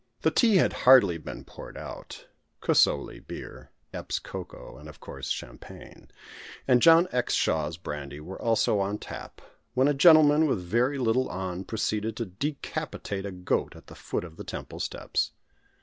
The tea had hardly been poured out Kussowlie beer, Epps's cocoa, and (of course) champagne, and John Exshaw's brandy were also on tap when a gentleman with very little on proceeded to decapitate a goat at the foot of the temple steps.